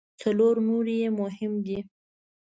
څلور نور یې مهم دي.